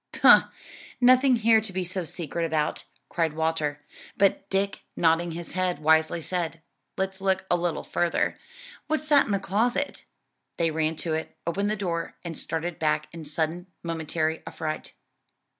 "Pooh! nothing here to be so secret about," cried Walter, but Dick, nodding his head wisely said, "Let's look a little further. What's in that closet?" They ran to it, opened the door, and started back in sudden momentary affright.